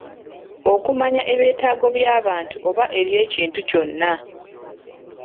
Okumanya ebyetaago by'abantu oba eby'ekintu kyonna.